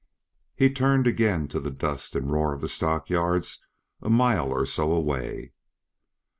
He turned again to the dust and roar of the stockyards a mile or so away.